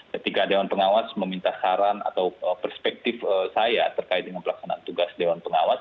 ketika dewan pengawas meminta saran atau perspektif saya terkait dengan pelaksanaan tugas dewan pengawas